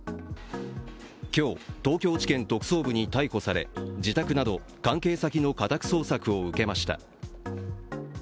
今日、東京地検特捜部に逮捕され自宅など関係先の家宅捜索を受けました。